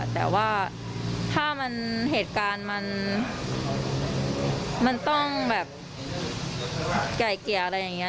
แต่ว่าถ้ามันเหตุการณ์มันต้องแบบไก่เกลี่ยอะไรอย่างนี้